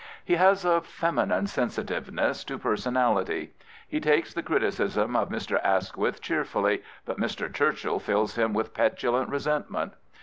He has a feminine sensitiveness to personality. He takes the criticism of Mr. Asquith cheerfully, but Mr. Churchill fills him with petulant resentment.